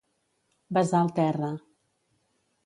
Besar el terra.